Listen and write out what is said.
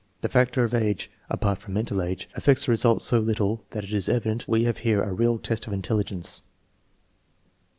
The factor of age, apart from mental age, affects the results so little that it is evident we have here a real test of intelligence.